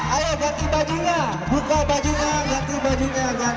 ayo ganti bajunya buka bajunya ganti bajunya ganti